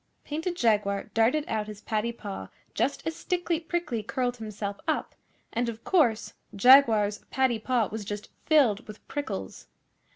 Painted Jaguar darted out his paddy paw just as Stickly Prickly curled himself up, and of course Jaguar's paddy paw was just filled with prickles.